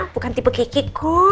bukan tipe kikiku